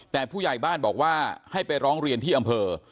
แต่ผู้ใหญ่บ้านบอกว่าให้ไปร้องเรียนที่อำเภอ